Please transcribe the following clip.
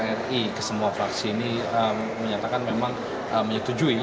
jadi ke semua fraksi ini menyatakan memang menyetujui